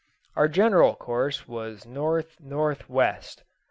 Our general course was north north west.